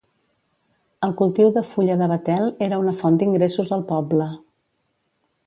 El cultiu de fulla de Betel era una font d'ingressos al poble.